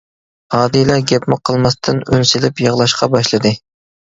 ئادىلە گەپمۇ قىلماستىن ئۈن سېلىپ يىغلاشقا باشلىدى.